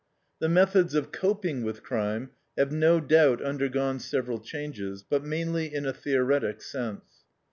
The methods of coping with crime have no doubt undergone several changes, but mainly in a theoretic sense.